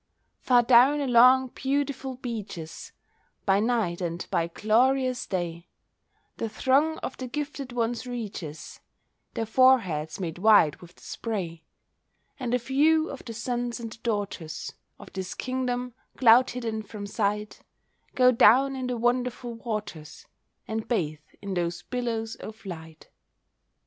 Far down along beautiful beeches, By night and by glorious day, The throng of the gifted ones reaches, Their foreheads made white with the spray, And a few of the sons and the daughters Of this kingdom, cloud hidden from sight, Go down in the wonderful waters, And bathe in those billows of light.